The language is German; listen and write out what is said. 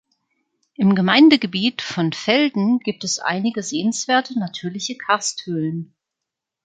Im Gemeindegebiet von Velden gibt es einige sehenswerte natürliche Karsthöhlen.